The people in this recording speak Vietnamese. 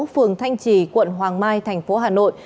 phường thanh trì quận hoàng mai tp hà nội